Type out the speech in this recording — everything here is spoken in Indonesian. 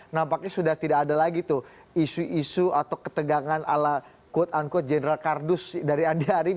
nampaknya sudah tidak ada lagi tuh isu isu atau ketegangan ala quote unquote general kardus dari andi arief